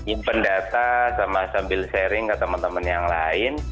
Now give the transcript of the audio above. impen data sambil sharing ke teman teman yang lain